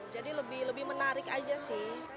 jadi lebih menarik aja sih